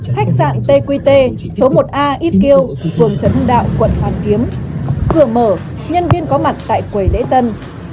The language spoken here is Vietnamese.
khách sạn tqt số một a xq vườn trấn đạo quận phàn kiếm cửa mở nhân viên có mặt tại quầy lễ tân